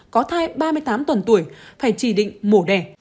có thai ba mươi tám tuần tuổi phải chỉ định mổ đẻ